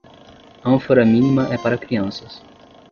Ânfora mínima é para crianças.